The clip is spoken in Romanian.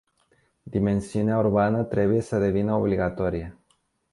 Dimensiunea urbană trebuie să devină obligatorie.